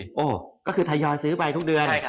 โอ้โหก็คือทยอยซื้อไปทุกเดือน